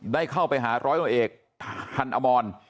ได้เข้าไปหา๑๐๐ตำรวจเอกทันอมร